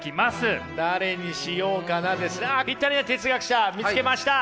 誰にしようかなあっぴったりな哲学者見つけました！